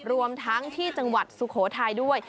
รวมทั้งที่จังหวัดสุโขทัยด้วย